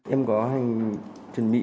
em có hành chuẩn bị